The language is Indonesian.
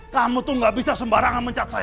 kamu tuh gak bisa sembarangan mencat saya